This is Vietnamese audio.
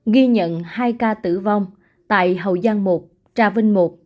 ghi nhận hai ca tử vong tại hậu giang một trà vinh i